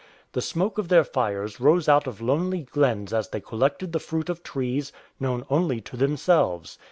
The smoke of their fires rose out of lonely glens as they collected the fruit of trees known only to themselves.